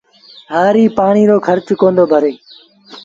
هآريٚ پآڻي رو کرچ ڪوندو ڀري